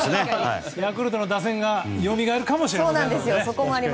ヤクルトの打線がよみがえるかもしれません。